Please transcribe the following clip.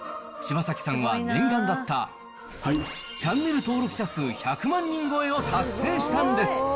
柴崎さんが念願だった、チャンネル登録者数１００万人超えを達成したんです。